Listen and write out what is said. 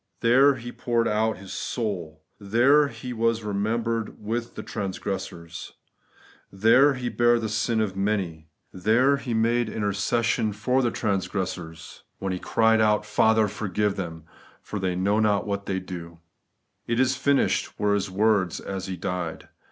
There He poured out His soul; there He was numbered with the transgressors ; there He bare the sin of many ; there He made inter 54 The EverUuting Righieaumcss. cession for the transgressors, when He cried out, ' Father, forgive them, for they know not what they do/ ^' It is finished ' were His words as He died.